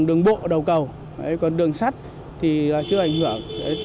đường bộ đầu cầu còn đường sắt thì chưa ảnh hưởng